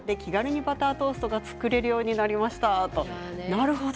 なるほど。